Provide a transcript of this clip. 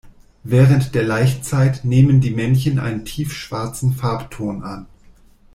Während der Laichzeit nehmen die Männchen einen tiefschwarzen Farbton an.